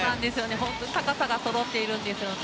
本当に高さがそろっているんですよね。